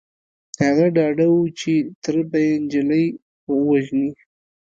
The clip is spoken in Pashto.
هغه ډاډه و چې تره به يې نجلۍ ووژني.